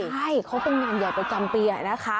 ใช่เขาเป็นงานใหญ่ประจำปีนะคะ